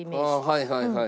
はいはいはいはい。